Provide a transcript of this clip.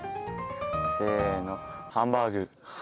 せーの、ハンバーグ。